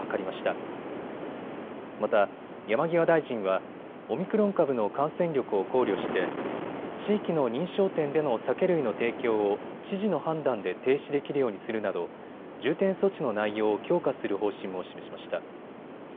また、山際大臣はオミクロン株の感染力を考慮して地域の認証店での酒類の提供を知事の判断で停止できるようにするなど重点措置の内容を強化する方針を示しました。